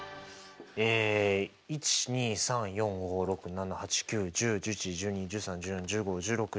え１２３４５６７８９１０１１１２１３１４１５１６１７１８。